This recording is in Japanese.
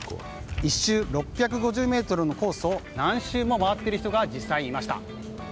１周６５０ｍのコースを何周も回っている人が実際いました。